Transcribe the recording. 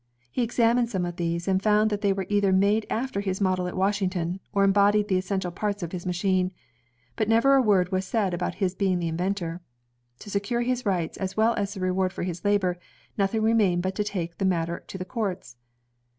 He examined some of these, and found that they were either made after his model at Washington, or embodied the essential parts of his machine. But never a word was said about his being the inventor. To secure his rights, as well as the reward for his labor, nothing remained but to take the matter to the courts.